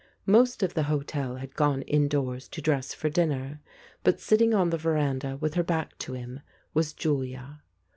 Most of the hotel had gone indoors to dress for dinner, but sitting on the veranda with her back to him was Julia.